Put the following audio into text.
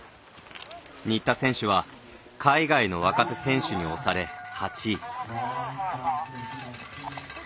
新田選手は海外の若手選手におされ８位。